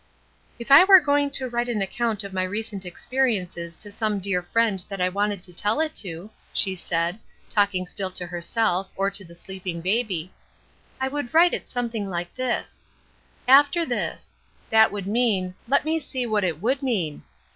"If I were going to write an account of my recent experiences to some dear friend that I wanted to tell it to," she said, talking still to herself, or to the sleeping baby, "I would write it something like this: 'After this' That would mean; let me see what it would mean.